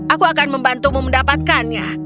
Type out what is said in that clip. aku akan membantumu mendapatkannya